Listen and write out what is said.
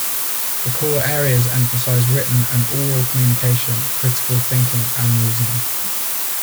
The core areas emphasize written and oral communication, critical thinking and reasoning.